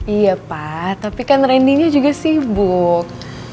iya pa tapi kan randy nya juga sibuk